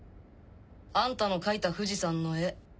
あんたの描いた富士山の絵